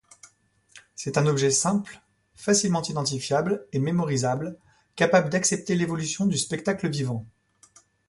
C'est un objet simple, facilement identifiable et mémorisable, capable d'accepter l'évolution du spectacle vivant.